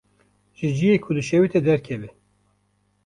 Ji ciyê ku dişewite derkeve.